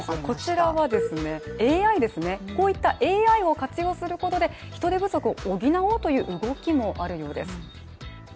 こちらは、ＡＩを活用することで人手不足を補おうという動きもあるようです。